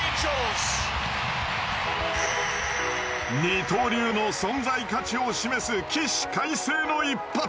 二刀流の存在価値を示す起死回生の一発！